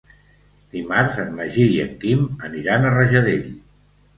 Dimarts en Magí i en Quim aniran a Rajadell.